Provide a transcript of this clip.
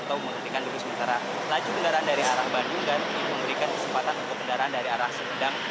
ini juga menghentikan diri sementara laju kendaraan dari arah bandung dan ini memberikan kesempatan untuk kendaraan dari arah sumedang